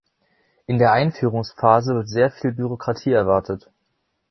In der Einführungsphase wird sehr viel Bürokratie erwartet.